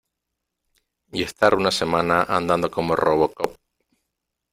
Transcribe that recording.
y estar una semana andando como Robocop .